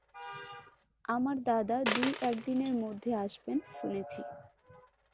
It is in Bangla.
আমার দাদা দুই-একদিনের মধ্যে আসবেন শুনেছি।